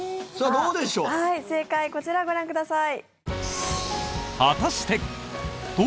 正解こちらご覧ください。